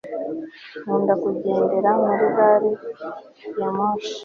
nkunda kugendera muri gari ya moshi